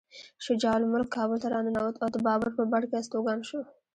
شجاع الملک کابل ته راننوت او د بابر په بڼ کې استوګن شو.